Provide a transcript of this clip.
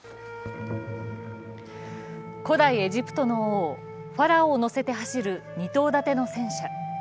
古代エジプトの王・ファラオを載せて走る２頭立ての戦車。